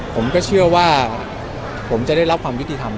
ผมก็เชื่อว่าผมจะได้รับความจุดีทำนะครับ